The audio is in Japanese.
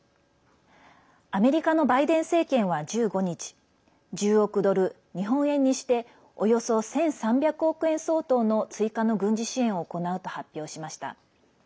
アメリカのバイデン政権は１５日１０億ドル、日本円にしておよそ１３００億円相当の追加の軍事支援を行うと発表しました。